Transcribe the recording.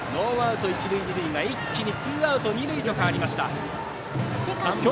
ノーアウト、一塁二塁が一気にツーアウト、二塁と変わりました。